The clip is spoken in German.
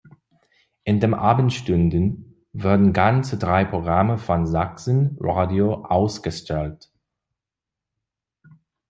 In den Abendstunden wurden ganze drei Programme von Sachsen Radio ausgestrahlt.